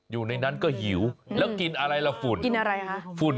เท้านั้นก็หิวแล้วกินอะไรฟุ้น